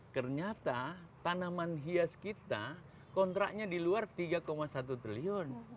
ternyata tanaman hias kita kontraknya di luar tiga satu triliun